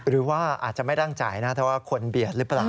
หรือว่าอาจจะไม่ร่างจ่ายนะถ้าว่าคนเบียดหรือเปล่า